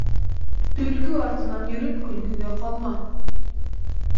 Төлкө артынан йөрөп, көлкөгә ҡалма.